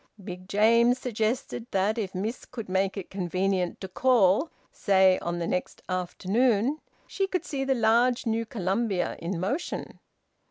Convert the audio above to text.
Big James suggested that if Miss could make it convenient to call, say, on the next afternoon, she could see the large new Columbia in motion.